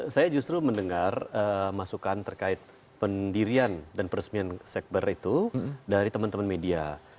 saya justru mendengar masukan terkait pendirian dan peresmian sekber itu dari teman teman media